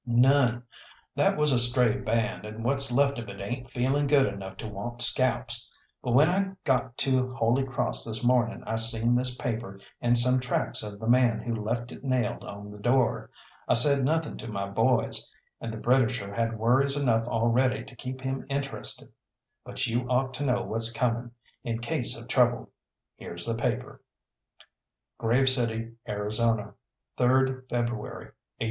"None. That was a stray band, and what's left of it ain't feeling good enough to want scalps. But when I got to Holy Cross this morning I seen this paper, and some tracks of the man who left it nailed on the door. I said nothing to my boys, and the Britisher has worries enough already to keep him interested, but you ought to know what's coming, in case of trouble. Here's the paper. "'GRAVE CITY, ARIZONA, "'3rd February, 1886.